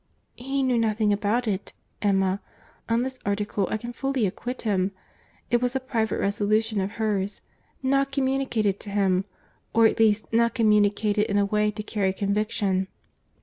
"He knew nothing about it, Emma. On this article I can fully acquit him. It was a private resolution of hers, not communicated to him—or at least not communicated in a way to carry conviction.